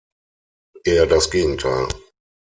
Eher das Gegenteil.